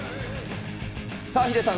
さあ、ヒデさん